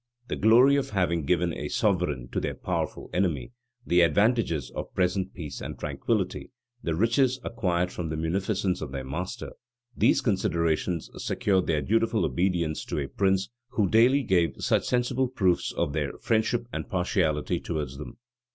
The glory of having given a sovereign to their powerful enemy, the advantages of present peace and tranquillity, the riches acquired from the munificence of their master; these considerations secured their dutiful obedience to a prince who daily gave such sensible proofs of his friendship and partiality towards them.